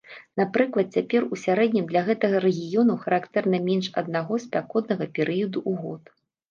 Напрыклад, цяпер у сярэднім для гэтага рэгіёну характэрна менш аднаго спякотнага перыяду ў год.